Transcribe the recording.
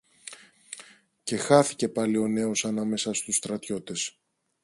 Και χάθηκε πάλι ο νέος ανάμεσα στους στρατιώτες.